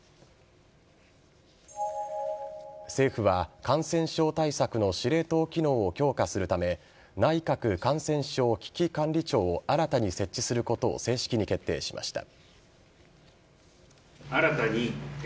政府は感染症対策の司令塔機能を強化するため内閣感染症危機管理庁を新たに設置することを正式に決定しました。